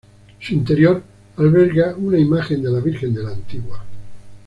Su interior alberga una imagen de la Virgen de la Antigua.